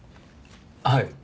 はい。